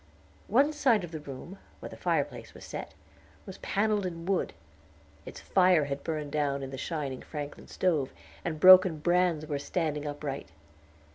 One side of the room where the fireplace was set was paneled in wood; its fire had burned down in the shining Franklin stove, and broken brands were standing upright.